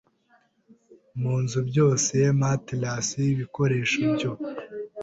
munzu byose Matelas ibikoresho byo